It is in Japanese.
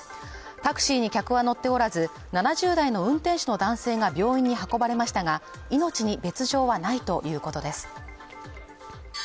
タクシーに客は乗っておらず７０代の運転手の男性が病院に運ばれましたが命に別状はないということです